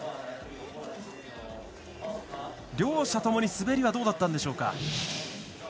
両者ともに滑りはどうだったんでしょうか？